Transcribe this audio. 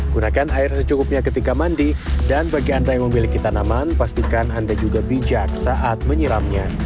gunakan air secukupnya ketika mandi dan bagi anda yang memiliki tanaman pastikan anda juga bijak saat menyiramnya